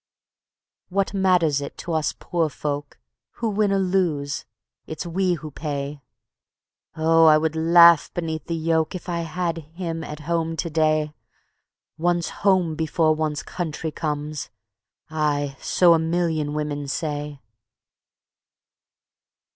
What matters it to us poor folk? Who win or lose, it's we who pay. Oh, I would laugh beneath the yoke If I had him at home to day; One's home before one's country comes: Aye, so a million women say.